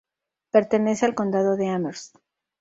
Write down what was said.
Pertenece al Condado de Amherst.